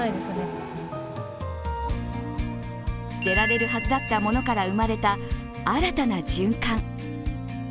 捨てられるはずだったものから生まれた新たな循環。